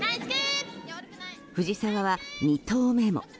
藤澤は２投目も。